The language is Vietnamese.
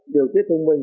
điều tiết thông minh